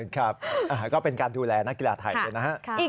ครับก็เป็นการดูแลนักกีฬาไทยด้วยนะฮะ